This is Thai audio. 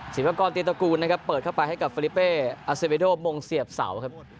ศีลประกอบตีตระกูลเปิดเข้าไปให้กับเฟลิเปอาซิวิด้โดมงเสียบเสา